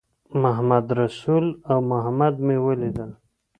محمدرسول او محمد مې ولیدل.